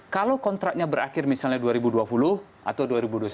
kalau kontraknya berakhir misalnya dua ribu dua puluh atau dua ribu dua puluh satu